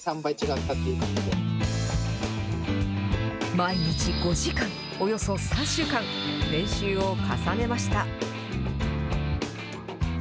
毎日５時間、およそ３週間、練習を重ねました。